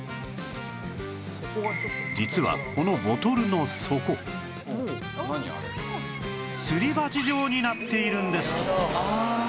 実はこのボトルの底すり鉢状になっているんです